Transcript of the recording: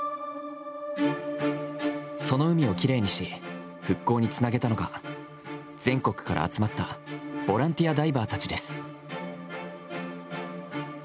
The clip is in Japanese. その海をきれいにし復興につなげたのが全国から集まったボランティアダイバーたちです。